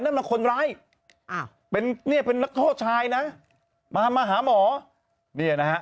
นั่นเป็นคนร้ายเป็นนักโทรชายนะมาหาหมอนี่นะฮะ